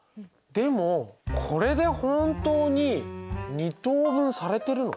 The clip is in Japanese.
でもこれで本当に２等分されてるの？